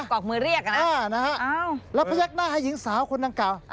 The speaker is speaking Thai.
กวักมือเรียกนะอ้านะครับแล้วพยายามหน้าให้หญิงสาวคนนางเก่า